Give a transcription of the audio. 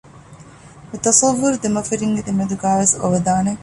މި ތަޞައްވުރު ދެމަފިންގެ ދެމެދުގައި ވެސް އޮވެދާނެ